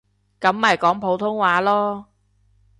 噉咪講普通話囉